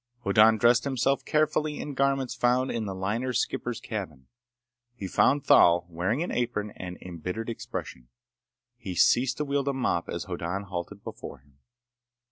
Hoddan dressed himself carefully in garments found in the liner's skipper's cabin. He found Thal wearing an apron and an embittered expression. He ceased to wield a mop as Hoddan halted before him.